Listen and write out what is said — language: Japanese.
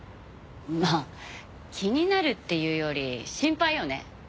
まあ気になるっていうより心配よね。